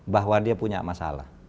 bahwa dia punya masalah